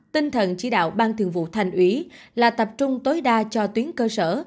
tinh thần chỉ đạo ban thường vụ thành ủy là tập trung tối đa cho tuyến cơ sở